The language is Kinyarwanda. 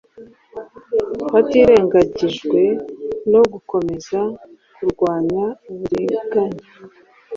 hatirengagijwe no gukomeza kurwanya uburiganya